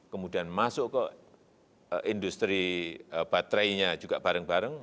kemudian masuk ke industri baterainya juga bareng bareng